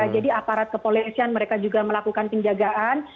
jadi aparat kepolisian mereka juga melakukan penjagaan